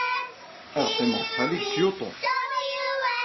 Ad qqimeɣ ed xali deg Kyoto.